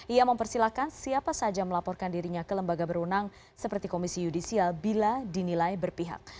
ia mempersilahkan siapa saja melaporkan dirinya ke lembaga berunang seperti komisi yudisial bila dinilai berpihak